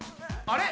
あれ？